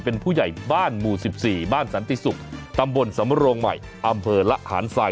เป็นผู้ใหญ่บ้านหมู่๑๔บ้านสันติศุกร์ตำบลสำโรงใหม่อำเภอละหารทราย